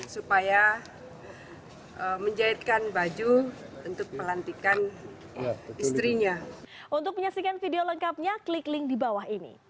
supaya menjahitkan baju untuk pelantikan istrinya